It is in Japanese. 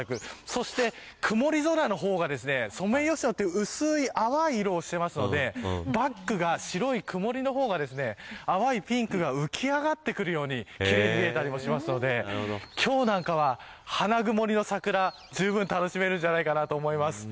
そして、曇り空の方がソメイヨシノは薄い淡い色をしているのでバックが白い曇りの方が淡いピンクが浮き上がってくるように奇麗に見えたりもしますので今日などは、花曇りの桜じゅうぶん楽しめるんじゃないかと思います。